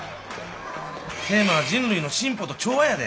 テーマは「人類の進歩と調和」やで。